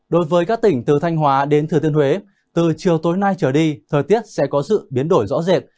đối với các tỉnh từ thanh hóa đến thừa tiên huế từ chiều tối nay trở đi thời tiết sẽ có sự biến đổi rõ rệt